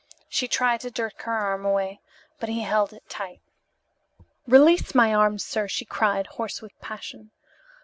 She tried to jerk her arm away, but he held it tight. "Release my arm, sir!" she cried, hoarse with passion.